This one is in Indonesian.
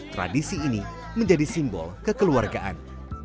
tradisi ini menjadi simbol kekeluargaan